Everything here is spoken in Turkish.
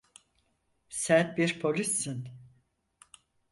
Sen bir polissin.